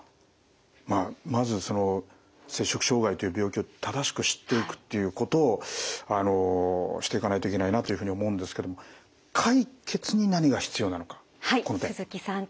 まずその摂食障害という病気を正しく知っていくっていうことをしていかないといけないなというふうに思うんですけども解決に何が必要なのか。